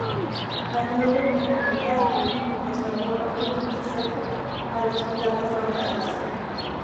Añade humedad y un rico sabor a fruto seco a los platos horneados.